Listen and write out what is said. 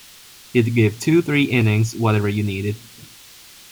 He'd give two, three innings - whatever you needed.